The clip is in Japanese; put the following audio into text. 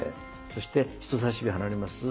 そして人さし指離れます。